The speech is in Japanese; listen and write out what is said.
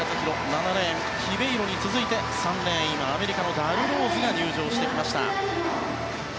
７レーンのヒベイロに続いて３レーン、アメリカのダル・ローズが入場。